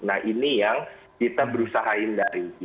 nah ini yang kita berusaha hindari